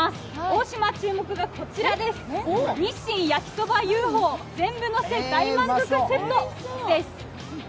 大島注目がこちらです、日清焼そばＵ．Ｆ．Ｏ全部のせ大満足セットです。